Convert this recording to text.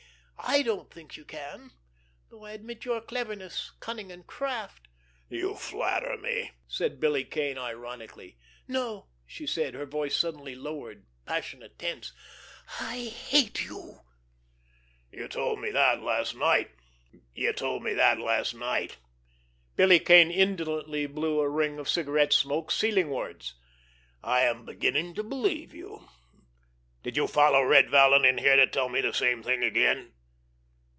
I don't think you can, though I admit your cleverness, cunning and craft." "You flatter me!" said Billy Kane ironically. "No," she said, her voice suddenly lowered, passionate, tense; "I hate you." "You told me that last night." Billy Kane indolently blew a ring of cigarette smoke ceilingwards. "I am beginning to believe you. Did you follow Red Vallon in here to tell me the same thing again?"